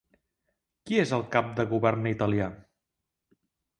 Qui és el cap de govern italià?